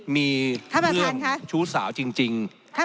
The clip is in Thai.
มีเพื่อนชู้สาวจริง